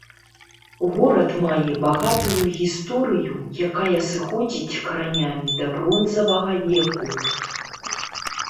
Горад мае багатую гісторыю, якая сыходзіць каранямі да бронзавага веку.